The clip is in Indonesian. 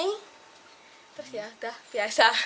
lalu ya sudah biasa